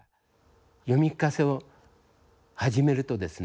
読み聞かせを始めるとですね